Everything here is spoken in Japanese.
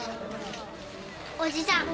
おじさん